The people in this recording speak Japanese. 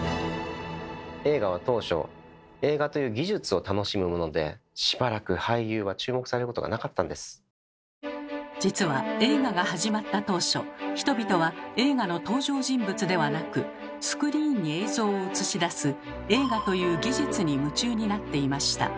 映画は当初しばらく実は映画が始まった当初人々は映画の登場人物ではなくスクリーンに映像を映し出す映画という技術に夢中になっていました。